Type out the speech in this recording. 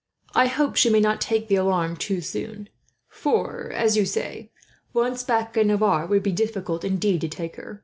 I hope she may not take the alarm too soon; for as you say, once back in Navarre it would be difficult, indeed, to take her.